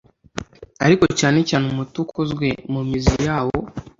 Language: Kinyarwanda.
ariko cyane cyane umuti ukozwe mu mizi yawo,